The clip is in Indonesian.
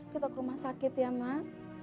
kita ke rumah sakit ya mak